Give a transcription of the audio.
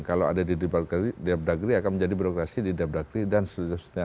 kalau ada di depdakri akan menjadi berokrasi di depdakri dan seterusnya